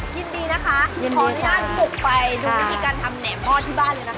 ยินดีนะคะยินดีค่ะขออนุญาตปลูกไปทุกวิธีการทำแหน่มหม้อที่บ้านเลยนะคะ